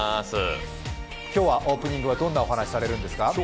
今日はオープニングはどんなお話をされるんですか？